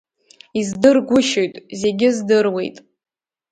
Издыргәышьоит, зегьы здыруеит.